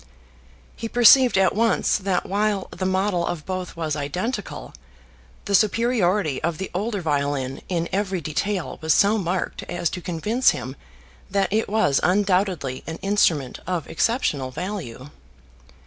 He perceived at once that while the model of both was identical, the superiority of the older violin in every detail was so marked as to convince him that it was undoubtedly an instrument of exceptional value.